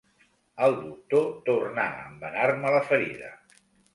El doctor tornà a embenar-me la ferida